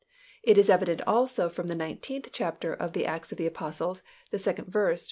It is evident also from the nineteenth chapter of the Acts of the Apostles, the second verse, R.